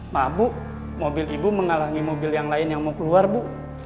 pak bu mobil ibu menghalangi mobil yang lain yang mau keluar bu